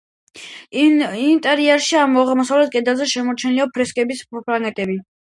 ინტერიერში აღმოსავლეთ კედელზე შემორჩენილია ფრესკების ფრაგმენტები.